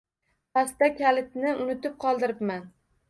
Pastda kalitni unutib qoldiribman.